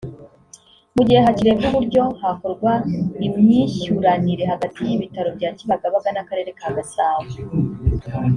mu gihe hakirebwa uburyo hakorwa imyishyuranire hagati y’ibitaro bya Kibagabaga n’Akarere ka Gasabo